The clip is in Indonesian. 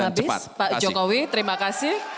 habis pak jokowi terima kasih